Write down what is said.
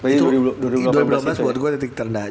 itu itu dua ribu enam belas buat gue titik terendah